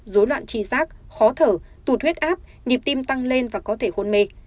dối loạn trí giác khó thở tụt huyết áp nhịp tim tăng lên và có thể hôn mê